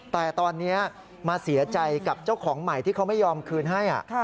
แต่ตอนนี้มาเสียใจกับเจ้าของใหม่ที่เขาไม่ยอมคืนให้